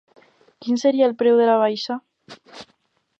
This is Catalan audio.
Quin seria el preu de la baixa?